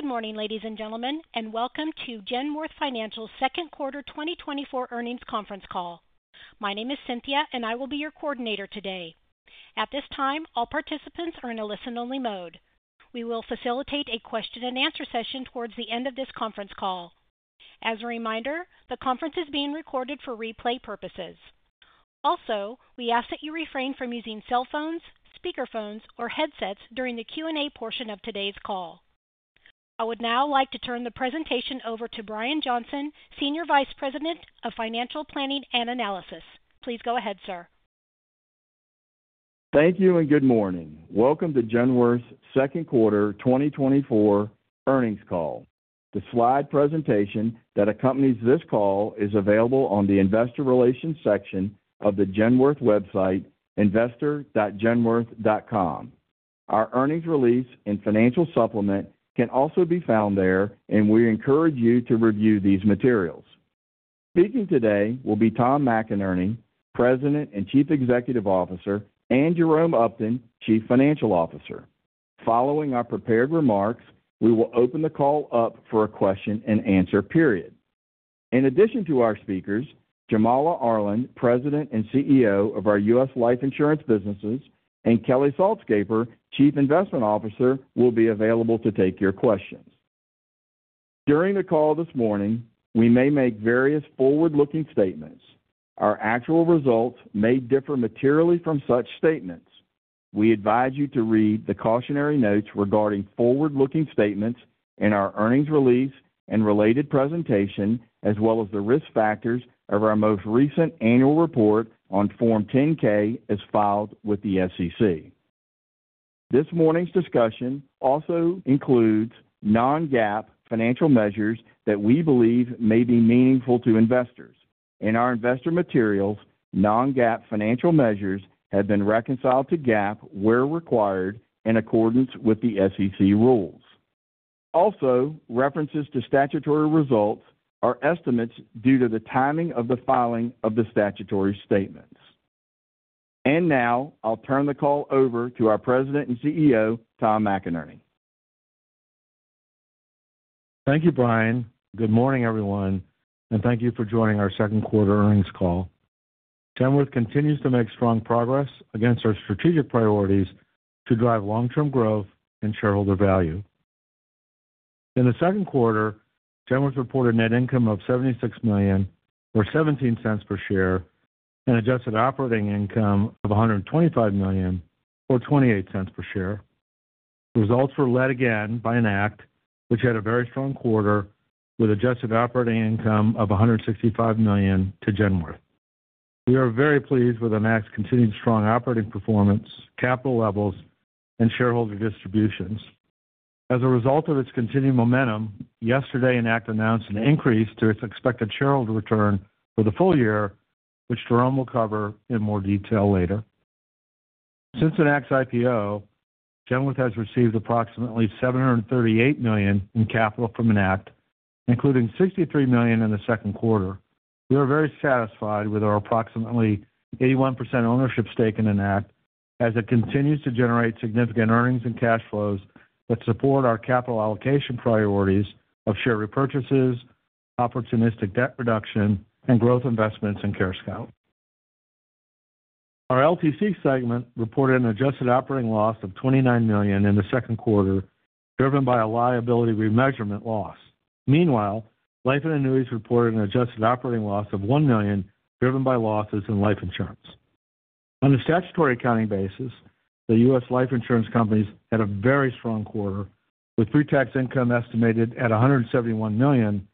Good morning, ladies and gentlemen, and welcome to Genworth Financial's Q2 2024 earnings conference call. My name is Cynthia, and I will be your coordinator today. At this time, all participants are in a listen-only mode. We will facilitate a question-and-answer session towards the end of this conference call. As a reminder, the conference is being recorded for replay purposes. Also, we ask that you refrain from using cell phones, speakerphones, or headsets during the Q&A portion of today's call. I would now like to turn the presentation over to Brian Johnson, Senior Vice President of Financial Planning and Analysis. Please go ahead, sir. Thank you, and good morning. Welcome to Genworth's Q2 2024 earnings call. The slide presentation that accompanies this call is available on the Investor Relations section of the Genworth website, investor.genworth.com. Our earnings release and financial supplement can also be found there, and we encourage you to review these materials. Speaking today will be Tom McInerney, President and Chief Executive Officer, and Jerome Upton, Chief Financial Officer. Following our prepared remarks, we will open the call up for a question-and-answer period. In addition to our speakers, Jamala Arland, President and CEO of our US Life Insurance Businesses, and Kelly Saltzgaber, Chief Investment Officer, will be available to take your questions. During the call this morning, we may make various forward-looking statements. Our actual results may differ materially from such statements. We advise you to read the cautionary notes regarding forward-looking statements in our earnings release and related presentation, as well as the risk factors of our most recent annual report on Form 10-K, as filed with the SEC. This morning's discussion also includes non-GAAP financial measures that we believe may be meaningful to investors. In our investor materials, non-GAAP financial measures have been reconciled to GAAP where required, in accordance with the SEC rules. Also, references to statutory results are estimates due to the timing of the filing of the statutory statements. Now I'll turn the call over to our President and CEO, Tom McInerney. Thank you, Brian. Good morning, everyone, and thank you for joining our Q2 earnings call. Genworth continues to make strong progress against our strategic priorities to drive long-term growth and shareholder value. In the Q2, Genworth reported net income of $76 million or $0.17 per share, and adjusted operating income of $125 million or $0.28 per share. Results were led again by Enact, which had a very strong quarter with adjusted operating income of $165 million to Genworth. We are very pleased with Enact's continuing strong operating performance, capital levels, and shareholder distributions. As a result of its continuing momentum, yesterday, Enact announced an increase to its expected shareholder return for the full year, which Jerome will cover in more detail later. Since Enact's IPO, Genworth has received approximately $738 million in capital from Enact, including $63 million in the Q2. We are very satisfied with our approximately 81% ownership stake in Enact, as it continues to generate significant earnings and cash flows that support our capital allocation priorities of share repurchases, opportunistic debt reduction, and growth investments in CareScout. Our LTC segment reported an adjusted operating loss of $29 million in the Q2, driven by a liability remeasurement loss. Meanwhile, Life & Annuities reported an adjusted operating loss of $1 million, driven by losses in life insurance. On a statutory accounting basis, the U.S. life insurance companies had a very strong quarter, with pre-tax income estimated at $171 million,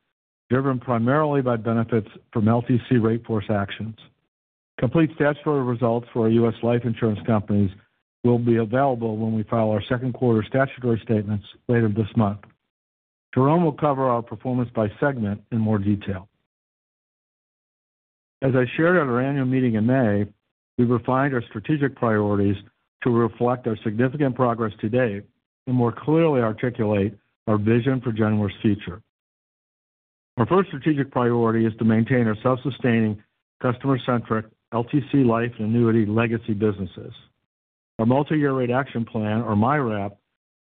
driven primarily by benefits from LTC in-force rate actions. Complete statutory results for our U.S. life insurance companies will be available when we file our Q2 statutory statements later this month. Jerome will cover our performance by segment in more detail. As I shared at our annual meeting in May, we refined our strategic priorities to reflect our significant progress to date and more clearly articulate our vision for Genworth's future. Our first strategic priority is to maintain our self-sustaining, customer-centric LTC, life, and annuity legacy businesses. Our Multi-Year Rate Action Plan, or MYRAP,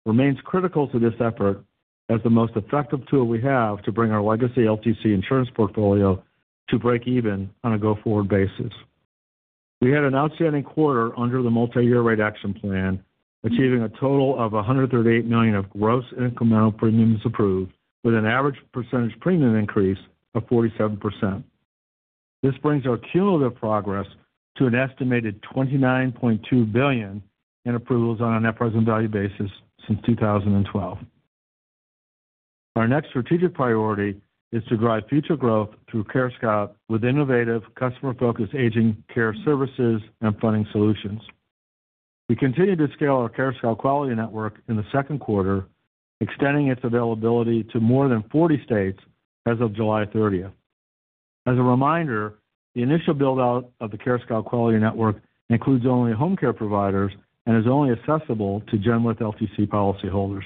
remains critical to this effort as the most effective tool we have to bring our legacy LTC insurance portfolio to break even on a go-forward basis. We had an outstanding quarter under the Multi-Year Rate Action Plan, achieving a total of $138 million of gross incremental premiums approved, with an average percentage premium increase of 47%. This brings our cumulative progress to an estimated $29.2 billion in approvals on a net present value basis since 2012. Our next strategic priority is to drive future growth through CareScout with innovative, customer-focused aging care services and funding solutions. We continued to scale our CareScout Quality Network in the Q2, extending its availability to more than 40 states as of July 30. As a reminder, the initial build-out of the CareScout Quality Network includes only home care providers and is only accessible to Genworth LTC policyholders.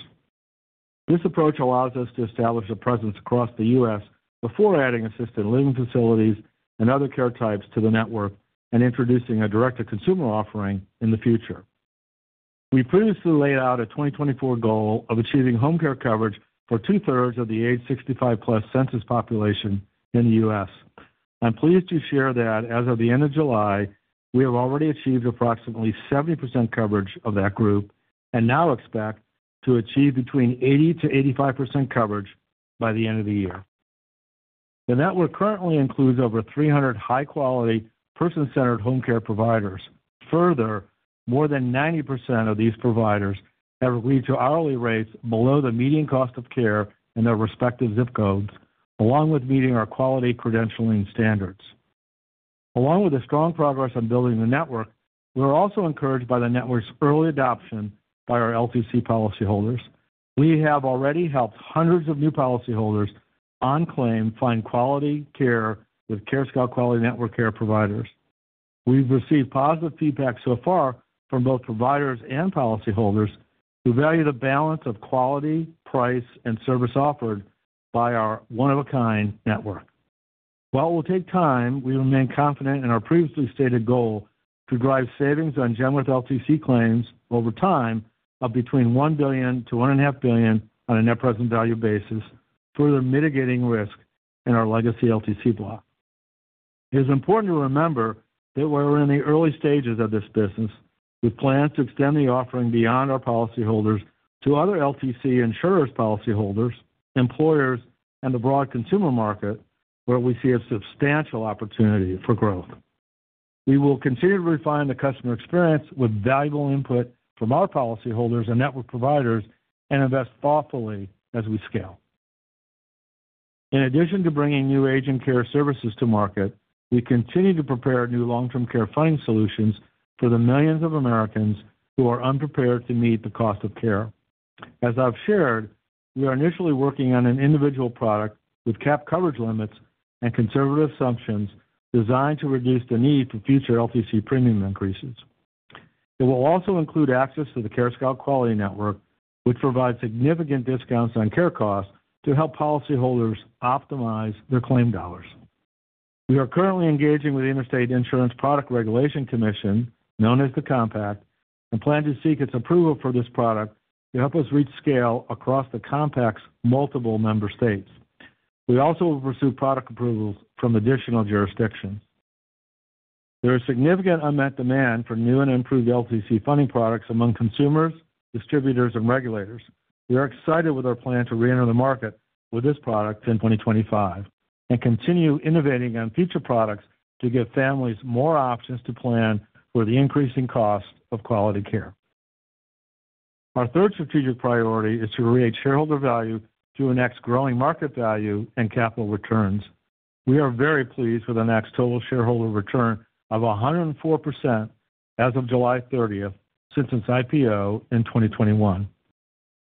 This approach allows us to establish a presence across the U.S. before adding assisted living facilities and other care types to the network and introducing a direct-to-consumer offering in the future.... We previously laid out a 2024 goal of achieving home care coverage for two-thirds of the age 65+ census population in the U.S. I'm pleased to share that as of the end of July, we have already achieved approximately 70% coverage of that group and now expect to achieve between 80%-85% coverage by the end of the year. The network currently includes over 300 high-quality, person-centered home care providers. Further, more than 90% of these providers have agreed to hourly rates below the median cost of care in their respective zip codes, along with meeting our quality credentialing standards. Along with the strong progress on building the network, we're also encouraged by the network's early adoption by our LTC policyholders. We have already helped hundreds of new policyholders on claim find quality care with CareScout Quality Network care providers. We've received positive feedback so far from both providers and policyholders, who value the balance of quality, price, and service offered by our one-of-a-kind network. While it will take time, we remain confident in our previously stated goal to drive savings on Genworth LTC claims over time of between $1 billion-$1.5 billion on a net present value basis, further mitigating risk in our legacy LTC block. It is important to remember that we're in the early stages of this business. We plan to extend the offering beyond our policyholders to other LTC insurers' policyholders, employers, and the broad consumer market, where we see a substantial opportunity for growth. We will continue to refine the customer experience with valuable input from our policyholders and network providers, and invest thoughtfully as we scale. In addition to bringing new aging care services to market, we continue to prepare new long-term care funding solutions for the millions of Americans who are unprepared to meet the cost of care. As I've shared, we are initially working on an individual product with capped coverage limits and conservative assumptions designed to reduce the need for future LTC premium increases. It will also include access to the CareScout Quality Network, which provides significant discounts on care costs to help policyholders optimize their claim dollars. We are currently engaging with the Interstate Insurance Product Regulation Commission, known as the Compact, and plan to seek its approval for this product to help us reach scale across the Compact's multiple member states. We also will pursue product approvals from additional jurisdictions. There is significant unmet demand for new and improved LTC funding products among consumers, distributors, and regulators. We are excited with our plan to reenter the market with this product in 2025 and continue innovating on future products to give families more options to plan for the increasing cost of quality care. Our third strategic priority is to create shareholder value through Enact's growing market value and capital returns. We are very pleased with Enact's total shareholder return of 104% as of July 30, since its IPO in 2021.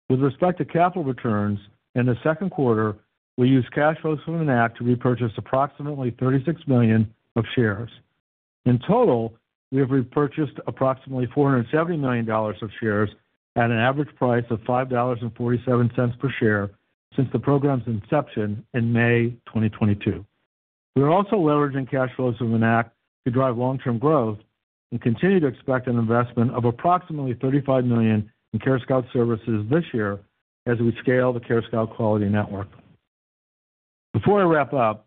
With respect to capital returns, in the Q2, we used cash flows from Enact to repurchase approximately 36 million shares. In total, we have repurchased approximately $470 million of shares at an average price of $5.47 per share since the program's inception in May 2022. We are also leveraging cash flows from Enact to drive long-term growth and continue to expect an investment of approximately $35 million in CareScout Services this year as we scale the CareScout Quality Network. Before I wrap up,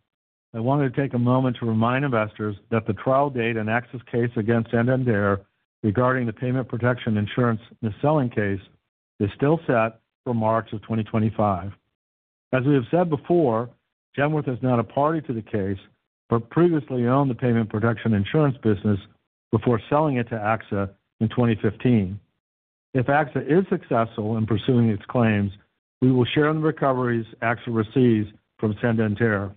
I wanted to take a moment to remind investors that the trial date and AXA case against Santander regarding the payment protection insurance mis-selling case is still set for March of 2025. As we have said before, Genworth is not a party to the case, but previously owned the payment protection insurance business before selling it to AXA in 2015. If AXA is successful in pursuing its claims, we will share in the recoveries AXA receives from Santander.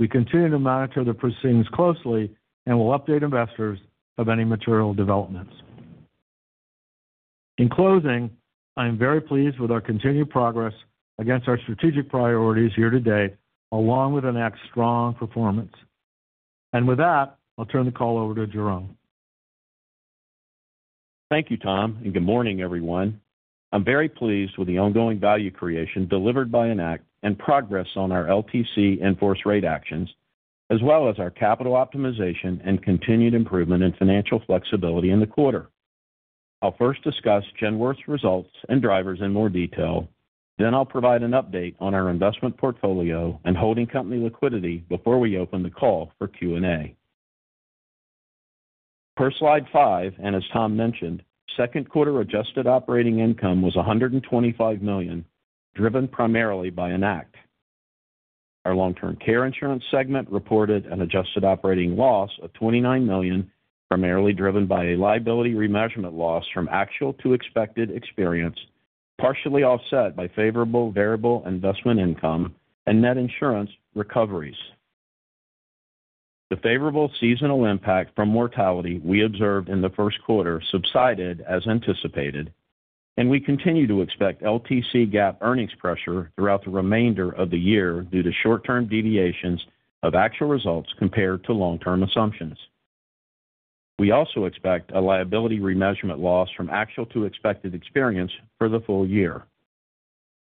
We continue to monitor the proceedings closely and will update investors of any material developments. In closing, I am very pleased with our continued progress against our strategic priorities year to date, along with Enact's strong performance. And with that, I'll turn the call over to Jerome. Thank you, Tom, and good morning, everyone. I'm very pleased with the ongoing value creation delivered by Enact and progress on our LTC in-force rate actions, as well as our capital optimization and continued improvement in financial flexibility in the quarter. I'll first discuss Genworth's results and drivers in more detail. Then I'll provide an update on our investment portfolio and holding company liquidity before we open the call for Q&A. Per slide five, and as Tom mentioned, Q2 adjusted operating income was $125 million, driven primarily by Enact. Our long-term care insurance segment reported an adjusted operating loss of $29 million, primarily driven by a liability remeasurement loss from actual to expected experience, partially offset by favorable variable investment income and net insurance recoveries. The favorable seasonal impact from mortality we observed in the Q1 subsided as anticipated, and we continue to expect LTC GAAP earnings pressure throughout the remainder of the year due to short-term deviations of actual results compared to long-term assumptions. We also expect a liability remeasurement loss from actual to expected experience for the full year.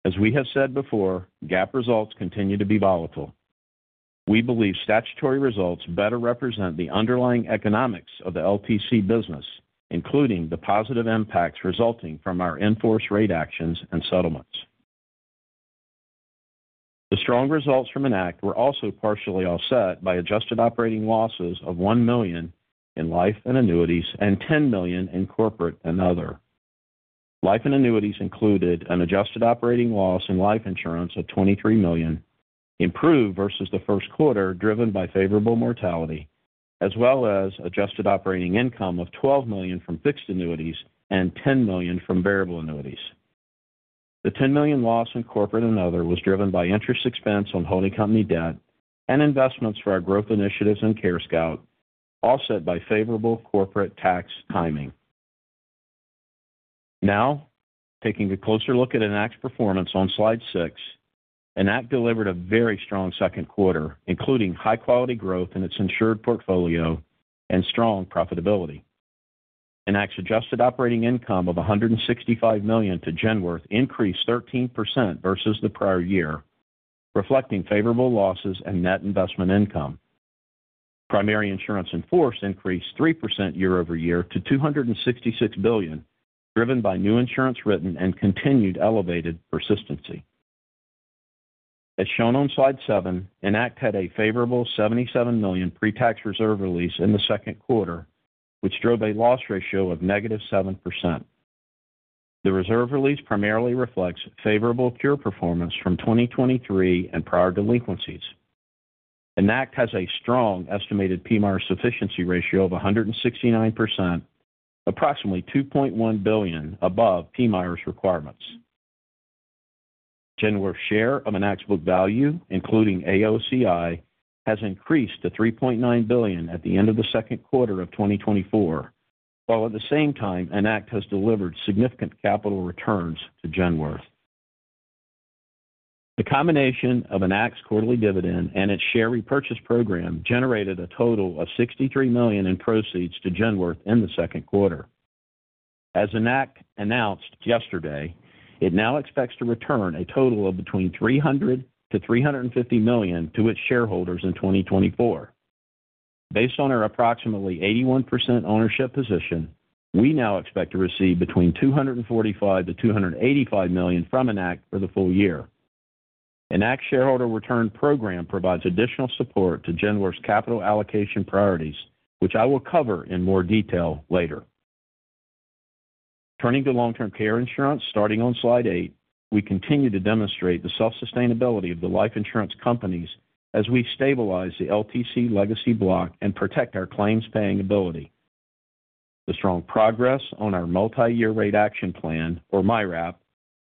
As we have said before, GAAP results continue to be volatile. We believe statutory results better represent the underlying economics of the LTC business, including the positive impacts resulting from our in-force rate actions and settlements. The strong results from Enact were also partially offset by adjusted operating losses of $1 million in Life and Annuities and $10 million in Corporate and Other. Life and Annuities included an adjusted operating loss in life insurance of $23 million, improved versus the Q1, driven by favorable mortality, as well as adjusted operating income of $12 million from fixed annuities and $10 million from variable annuities. The $10 million loss in Corporate and Other was driven by interest expense on holding company debt and investments for our growth initiatives in CareScout, offset by favorable corporate tax timing. Now, taking a closer look at Enact's performance on Slide six, Enact delivered a very strong Q2, including high-quality growth in its insured portfolio and strong profitability. Enact's adjusted operating income of $165 million to Genworth increased 13% versus the prior year, reflecting favorable losses and net investment income. Primary insurance in force increased 3% year-over-year to $266 billion, driven by new insurance written and continued elevated persistency. As shown on Slide seven, Enact had a favorable $77 million pretax reserve release in the Q2, which drove a loss ratio of negative 7%. The reserve release primarily reflects favorable cure performance from 2023 and prior delinquencies. Enact has a strong estimated PMIER sufficiency ratio of 169%, approximately $2.1 billion above PMIER's requirements. Genworth's share of Enact's book value, including AOCI, has increased to $3.9 billion at the end of the Q2 of 2024, while at the same time, Enact has delivered significant capital returns to Genworth. The combination of Enact's quarterly dividend and its share repurchase program generated a total of $63 million in proceeds to Genworth in the Q2. As Enact announced yesterday, it now expects to return a total of between $300 million-$350 million to its shareholders in 2024. Based on our approximately 81% ownership position, we now expect to receive between $245 million-$285 million from Enact for the full year. Enact's shareholder return program provides additional support to Genworth's capital allocation priorities, which I will cover in more detail later. Turning to long-term care insurance, starting on Slide eight, we continue to demonstrate the self-sustainability of the life insurance companies as we stabilize the LTC legacy block and protect our claims-paying ability. The strong progress on our Multi-Year Rate Action Plan, or MYRAP,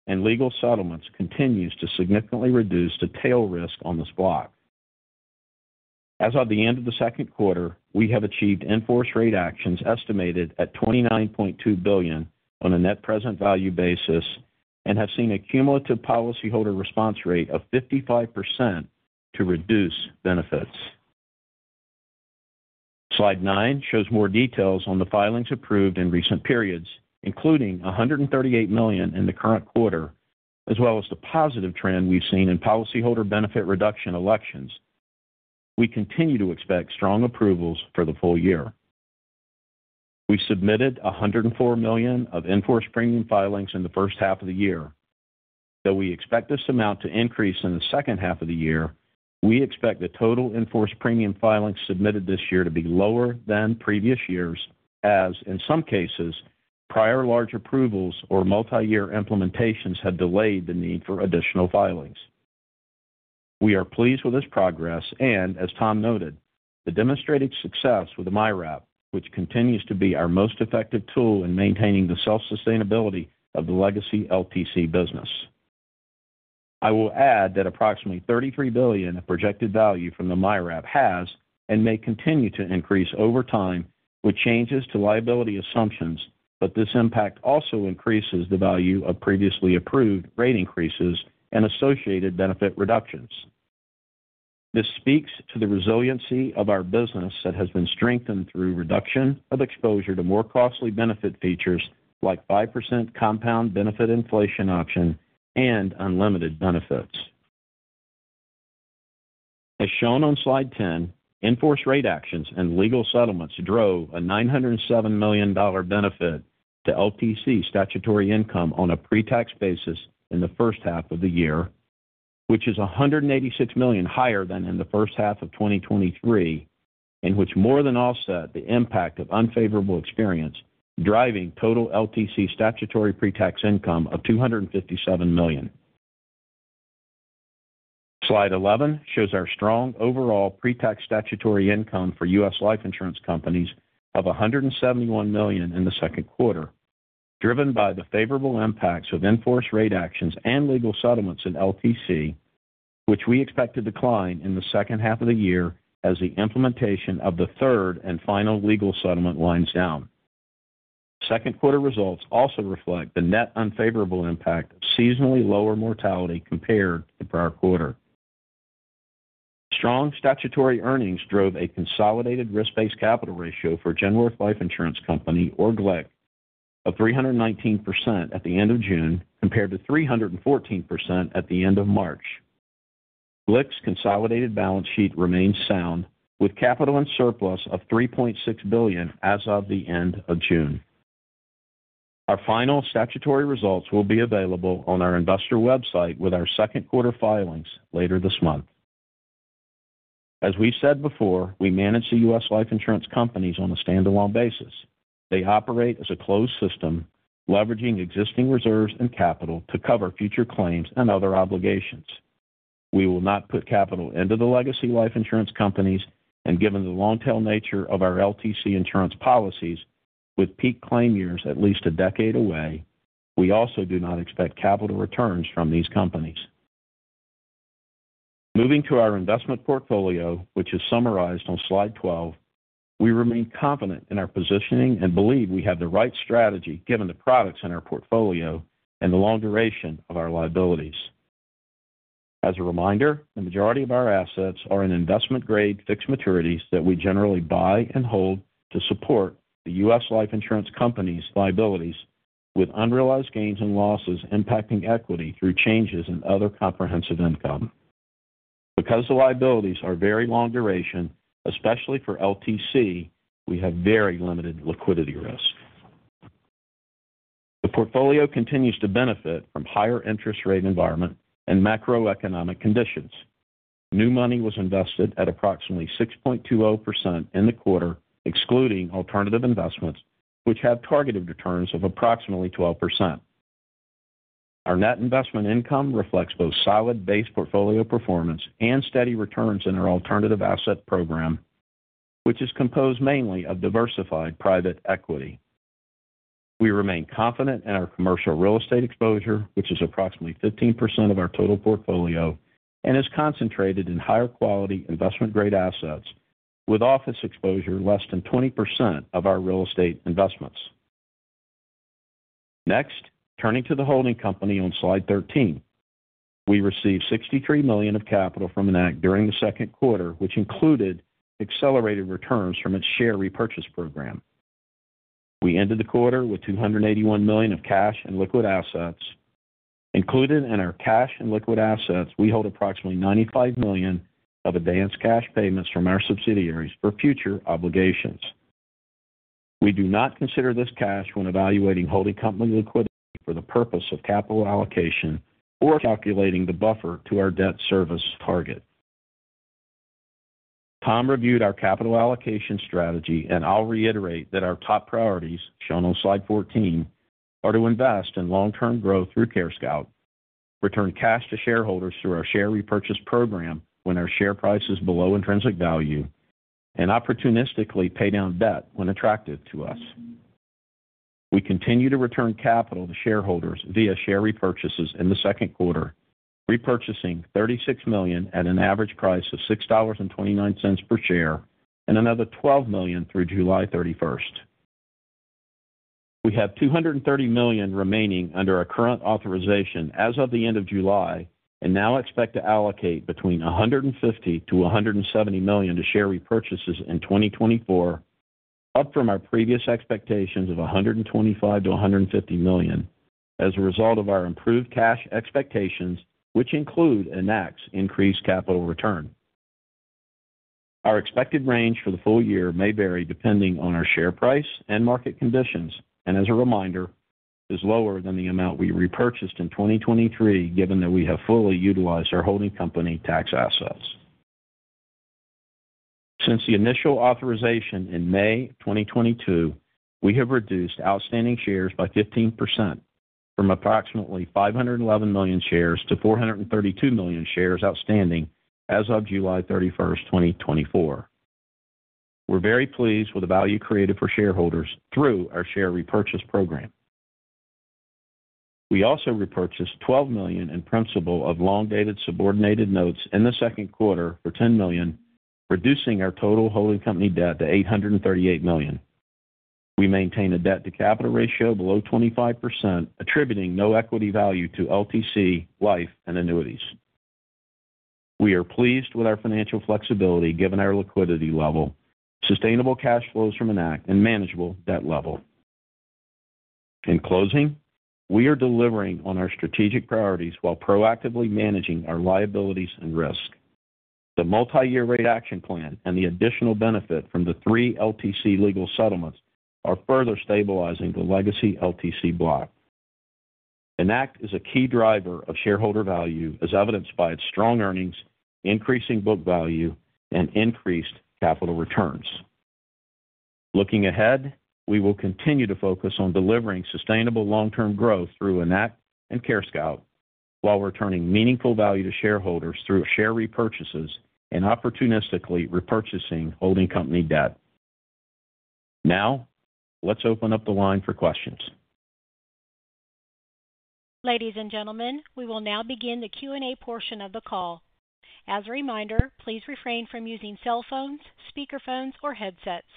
and legal settlements continues to significantly reduce the tail risk on this block. As of the end of the Q2, we have achieved in-force rate actions estimated at $29.2 billion on a net present value basis and have seen a cumulative policyholder response rate of 55% to reduce benefits. Slide nine shows more details on the filings approved in recent periods, including $138 million in the current quarter, as well as the positive trend we've seen in policyholder benefit reduction elections. We continue to expect strong approvals for the full year. We submitted $104 million of in-force premium filings in the first half of the year. Though we expect this amount to increase in the second half of the year, we expect the total in-force premium filings submitted this year to be lower than previous years as, in some cases, prior large approvals or multiyear implementations have delayed the need for additional filings. We are pleased with this progress, and as Tom noted, the demonstrated success with the MYRAP, which continues to be our most effective tool in maintaining the self-sustainability of the legacy LTC business. I will add that approximately $33 billion of projected value from the MYRAP has and may continue to increase over time with changes to liability assumptions, but this impact also increases the value of previously approved rate increases and associated benefit reductions. This speaks to the resiliency of our business that has been strengthened through reduction of exposure to more costly benefit features like 5% compound benefit inflation option and unlimited benefits. As shown on Slide 10, in-force rate actions and legal settlements drove a $907 million benefit to LTC statutory income on a pretax basis in the first half of the year, which is $186 million higher than in the first half of 2023, and which more than offset the impact of unfavorable experience, driving total LTC statutory pretax income of $257 million. Slide 11 shows our strong overall pretax statutory income for U.S. life insurance companies of $171 million in the Q2, driven by the favorable impacts of in-force rate actions and legal settlements in LTC, which we expect to decline in the second half of the year as the implementation of the third and final legal settlement winds down. Q2 results also reflect the net unfavorable impact of seasonally lower mortality compared to the prior quarter. Strong statutory earnings drove a consolidated risk-based capital ratio for Genworth Life Insurance Company, or GLIC, of 319% at the end of June, compared to 314% at the end of March. GLIC's consolidated balance sheet remains sound, with capital and surplus of $3.6 billion as of the end of June. Our final statutory results will be available on our investor website with our Q2 filings later this month. As we said before, we manage the U.S. life insurance companies on a standalone basis. They operate as a closed system, leveraging existing reserves and capital to cover future claims and other obligations. We will not put capital into the legacy life insurance companies, and given the long-tail nature of our LTC insurance policies, with peak claim years at least a decade away, we also do not expect capital returns from these companies. Moving to our investment portfolio, which is summarized on slide 12, we remain confident in our positioning and believe we have the right strategy, given the products in our portfolio and the long duration of our liabilities. As a reminder, the majority of our assets are in investment-grade fixed maturities that we generally buy and hold to support the U.S. life insurance companies' liabilities, with unrealized gains and losses impacting equity through changes in other comprehensive income. Because the liabilities are very long duration, especially for LTC, we have very limited liquidity risk. The portfolio continues to benefit from higher interest rate environment and macroeconomic conditions. New money was invested at approximately 6.20% in the quarter, excluding alternative investments, which have targeted returns of approximately 12%. Our net investment income reflects both solid base portfolio performance and steady returns in our alternative asset program, which is composed mainly of diversified private equity. We remain confident in our commercial real estate exposure, which is approximately 15% of our total portfolio and is concentrated in higher-quality, investment-grade assets, with office exposure less than 20% of our real estate investments. Next, turning to the holding company on slide 13. We received $63 million of capital from Enact during the Q2, which included accelerated returns from its share repurchase program. We ended the quarter with $281 million of cash and liquid assets. Included in our cash and liquid assets, we hold approximately $95 million of advanced cash payments from our subsidiaries for future obligations. We do not consider this cash when evaluating holding company liquidity for the purpose of capital allocation or calculating the buffer to our debt service target. Tom reviewed our capital allocation strategy, and I'll reiterate that our top priorities, shown on slide 14, are to invest in long-term growth through CareScout, return cash to shareholders through our share repurchase program when our share price is below intrinsic value, and opportunistically pay down debt when attractive to us. We continue to return capital to shareholders via share repurchases in the Q2, repurchasing 36 million at an average price of $6.29 per share, and another 12 million through July 31. We have $230 million remaining under our current authorization as of the end of July, and now expect to allocate between $150-$170 million to share repurchases in 2024, up from our previous expectations of $125-$150 million as a result of our improved cash expectations, which include Enact's increased capital return. Our expected range for the full year may vary depending on our share price and market conditions, and as a reminder, is lower than the amount we repurchased in 2023, given that we have fully utilized our holding company tax assets. Since the initial authorization in May of 2022, we have reduced outstanding shares by 15%, from approximately 511 million shares to 432 million shares outstanding as of July 31, 2024. We're very pleased with the value created for shareholders through our share repurchase program. We also repurchased $12 million in principal of long-dated subordinated notes in the Q2 for $10 million, reducing our total holding company debt to $838 million. We maintain a debt-to-capital ratio below 25%, attributing no equity value to LTC, Life, and Annuities. We are pleased with our financial flexibility, given our liquidity level, sustainable cash flows from Enact, and manageable debt level. In closing, we are delivering on our strategic priorities while proactively managing our liabilities and risk. The multiyear rate action plan and the additional benefit from the three LTC legal settlements are further stabilizing the legacy LTC block. Enact is a key driver of shareholder value, as evidenced by its strong earnings, increasing book value, and increased capital returns. Looking ahead, we will continue to focus on delivering sustainable long-term growth through Enact and CareScout, while returning meaningful value to shareholders through share repurchases and opportunistically repurchasing holding company debt. Now, let's open up the line for questions. Ladies and gentlemen, we will now begin the Q&A portion of the call. As a reminder, please refrain from using cell phones, speakerphones, or headsets.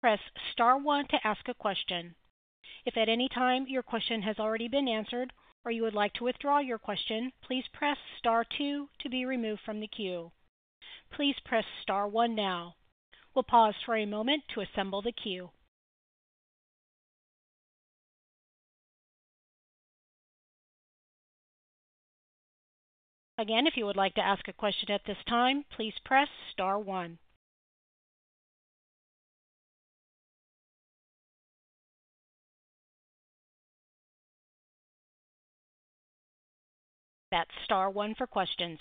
Press star one to ask a question. If at any time your question has already been answered, or you would like to withdraw your question, please press star two to be removed from the queue. Please press star one now. We'll pause for a moment to assemble the queue. Again, if you would like to ask a question at this time, please press star one. That's star one for questions.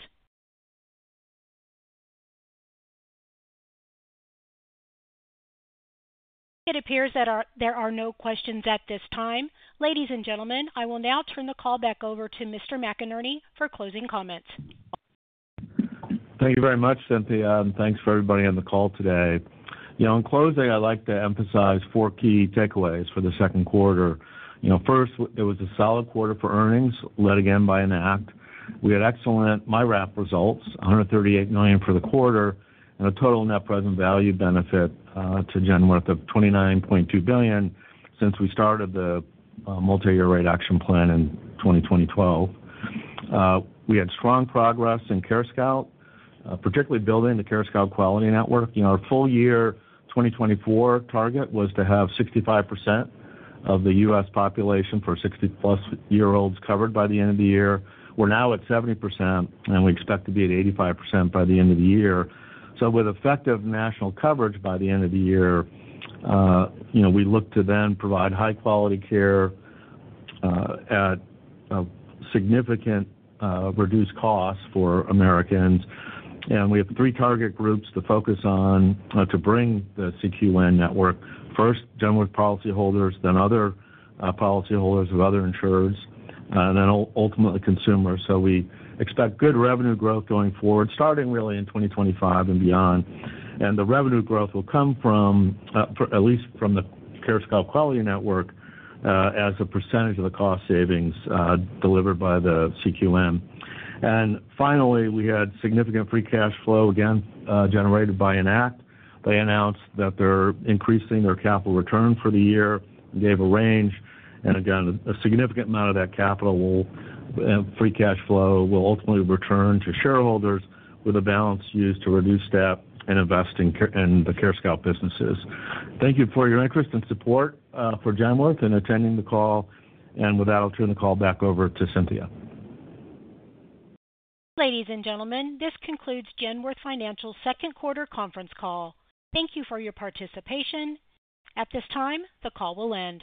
It appears that there are no questions at this time. Ladies and gentlemen, I will now turn the call back over to Mr. McInerney for closing comments. Thank you very much, Cynthia, and thanks for everybody on the call today. You know, in closing, I'd like to emphasize four key takeaways for the Q2. You know, first, it was a solid quarter for earnings, led again by Enact. We had excellent MYRAP results, $138 million for the quarter, and a total net present value benefit to Genworth of $29.2 billion since we started the multiyear rate action plan in 2012. We had strong progress in CareScout, particularly building the CareScout Quality Network. You know, our full year 2024 target was to have 65% of the U.S. population for 60+-year-olds covered by the end of the year. We're now at 70%, and we expect to be at 85% by the end of the year. So with effective national coverage by the end of the year, you know, we look to then provide high quality care, at a significant, reduced cost for Americans. And we have three target groups to focus on, to bring the CQN network. First, Genworth policyholders, then other, policyholders of other insurers, and then ultimately consumers. So we expect good revenue growth going forward, starting really in 2025 and beyond. And the revenue growth will come from, for at least from the CareScout quality network, as a percentage of the cost savings, delivered by the CQN. And finally, we had significant free cash flow again, generated by Enact. They announced that they're increasing their capital return for the year, and gave a range. And again, a significant amount of that capital and free cash flow will ultimately return to shareholders with a balance used to reduce debt and invest in the CareScout businesses. Thank you for your interest and support for Genworth in attending the call. And with that, I'll turn the call back over to Cynthia. Ladies and gentlemen, this concludes Genworth Financial's Q2 conference call. Thank you for your participation. At this time, the call will end.